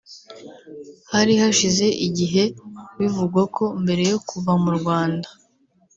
Hari hashize igihe bivugwa ko mbere yo kuva mu Rwanda